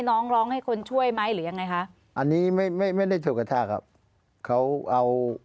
น้องร้องให้คนช่วยไหมหรือยังไงคะ